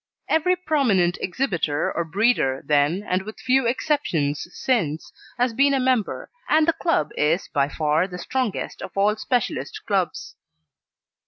Every prominent exhibitor or breeder then, and with few exceptions since, has been a member, and the club is by far the strongest of all specialist clubs.